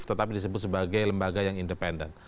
tetap disebut sebagai lembaga yang independen